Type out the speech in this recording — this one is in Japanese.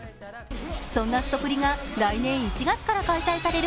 そんなすとぷりが来年１月から開催される